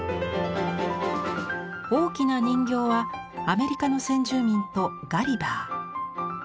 大きな人形はアメリカの先住民とガリバー。